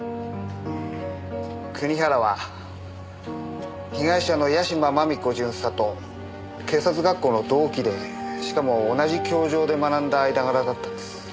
国原は被害者の屋島真美子巡査と警察学校の同期でしかも同じ教場で学んだ間柄だったんです。